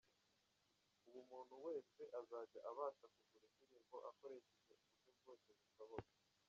Ubu umuntu wese azajya abasha kugura indirimbo akoresheje uburyo bwose bushoboka.